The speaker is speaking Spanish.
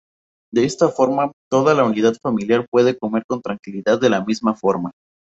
De esta forma, toda la unidad familiar puede comer con tranquilidad la misma comida.